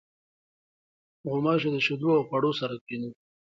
غوماشې د شیدو او خوړو سره ناستېږي.